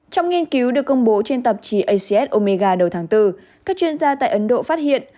trong nghiên cứu được công bố trên tạp chí acs omega đầu tháng bốn các chuyên gia tại ấn độ phát hiện